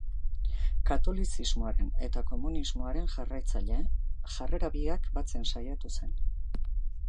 Katolizismoaren eta komunismoaren jarraitzaile, jarrera biak batzen saiatu zen.